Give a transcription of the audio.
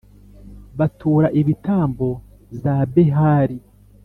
batura ibitambo za Behali,